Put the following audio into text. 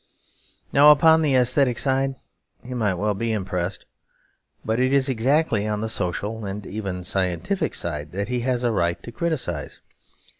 Now upon the aesthetic side he might well be impressed; but it is exactly on the social and even scientific side that he has a right to criticise.